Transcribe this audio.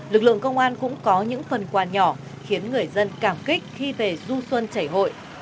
lực lượng công an cũng có những phần quàn nhỏ khiến người dân cảm kích khi về du xuân chảy hội